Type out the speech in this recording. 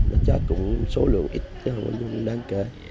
nó chết cũng số lượng ít chứ không có gì đáng kể